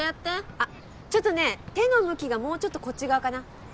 あちょっとね手の動きがもうちょっとこっち側かな？